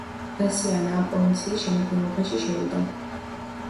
ბასიანა ამ პროვინციის შემადგენლობაში შევიდა.